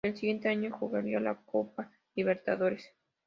El siguiente año jugaría la Copa Libertadores.